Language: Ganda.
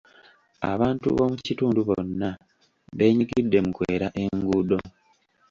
Abantu boomukitundu bonna beenyigidde mu kwera enguudo.